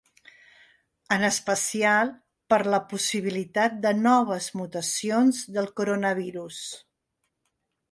En especial, per la possibilitat de noves mutacions del coronavirus.